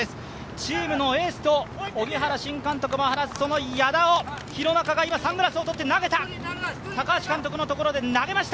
チームのエースと荻原新監督も話す廣中が今、サングラスを取って、投げた。